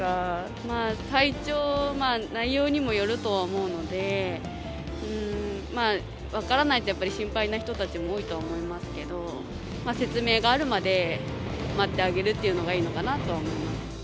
まあ体調、内容にもよると思うので、まあ、分からないとやっぱり、心配な人たちも多いと思いますけど、説明があるまで、待ってあげるっていうのがいいのかなとは思います。